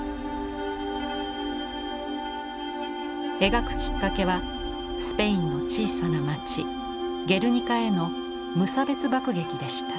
描くきっかけはスペインの小さな街ゲルニカへの無差別爆撃でした。